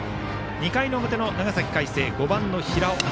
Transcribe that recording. ２回の表、長崎・海星５番の平尾。